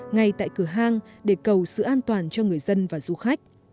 ngay tại cửa hang để cầu sự an toàn cho người dân và du khách